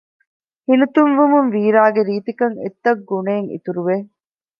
ހިނިތުންވުމުން ވީރާގެ ރީތިކަން އެތަށްގުނައެއް އިތުރުވެ